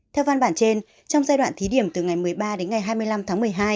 theo văn bản trên trong giai đoạn thí điểm từ ngày một mươi ba đến ngày hai mươi năm tháng một mươi hai